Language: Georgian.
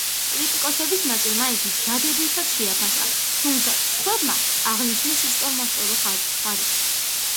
კრიტიკოსების ნაწილმა იგი დადებითად შეაფასა, თუმცა სხვებმა აღნიშნეს უსწორმასწორო ხარისხი.